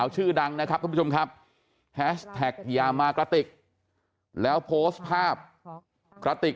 ชื่อดังนะครับทุกผู้ชมครับแฮชแท็กยามากระติกแล้วโพสต์ภาพกระติก